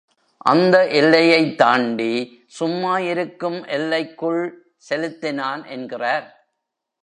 அந்த எல்லையைத் தாண்டி, சும்மா இருக்கும் எல்லைக்குள் செலுத்தினான் என்கிறார்.